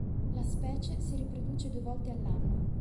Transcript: La specie si riproduce due volte all'anno.